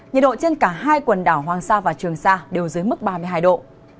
nhiệt độ trên cả hai quần đảo hoàng sa và trường sa đều dưới mức ba mươi hai độ